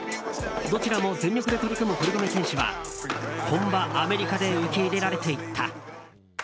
どちらも全力で取り組む堀米選手は本場アメリカで受け入れられていった。